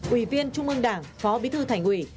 ủy viên trung ương đảng phó bí thư thành ủy